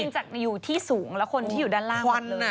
แต่เขากินจากอยู่ที่สูงแล้วคนที่อยู่ด้านล่างหมดเลย